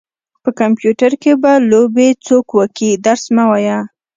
په کمپيوټر کې به لوبې څوک وکي درس مه وايه.